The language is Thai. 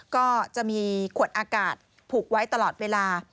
ก็จะมีขวดอากาศผูกไว้ตลอดเวลา